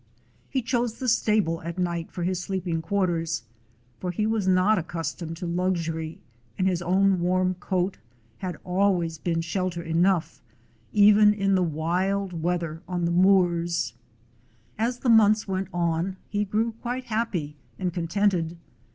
He chose the stable at night for his sleeping quar ters, for he was not accustomed to luxury and his own warm coat had always been shelter 131 DOG HEROES OF MANY LANDS enough, even in the wild weather on the moors. As the months went on he grew quite happy and contented.